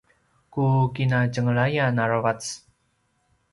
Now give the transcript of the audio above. ku kinatjenglayan aravac